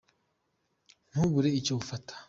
ntubure icyo ufata.